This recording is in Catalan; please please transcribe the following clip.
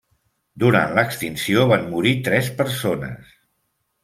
Durant l'extinció van morir tres persones.